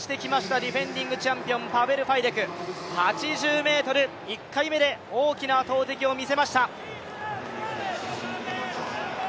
ディフェンディングチャンピオン、パベル・ファイデク、８０ｍ、１回目で大きな投てきを見せました。